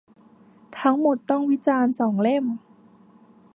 ทั้งหมดต้องวิจารณ์สองเล่ม